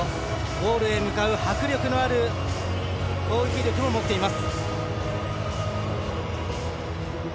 ゴールへ向かう、迫力のある攻撃力も持っています。